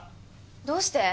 どうして？